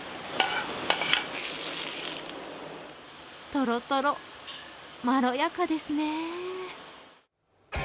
とろとろ、まろやかですね。